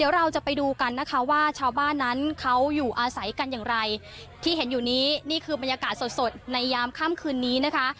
เราจะไปดูกันนะคะว่าชาวบ้านนั้นเขาอยู่อาศัยกันอย่างไรที่เห็นอยู่นี้นี่คือบรรยากาศสดสดในยามค่ำคืนนี้นะคะ